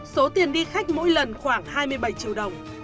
số tiền đi khách mỗi lần khoảng hai mươi bảy triệu đồng